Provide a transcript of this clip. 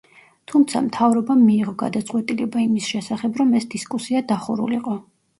თუმცა, მთავრობამ მიიღო გადაწყვეტილება იმის შესახებ, რომ ეს დისკუსია დახურულიყო.